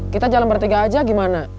kita jalan bertiga aja gimana